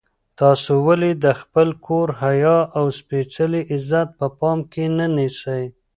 تاسو ولې د خپل کور حیا او سپېڅلی عزت په پام کې نه نیسئ؟